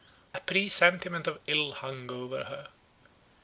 A presentiment of ill hung over her.